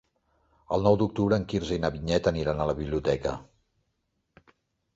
El nou d'octubre en Quirze i na Vinyet aniran a la biblioteca.